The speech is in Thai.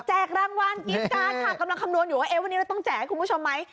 รางวัลกินกันค่ะกำลังคำนวณอยู่ว่าวันนี้เราต้องแจกให้คุณผู้ชมไหม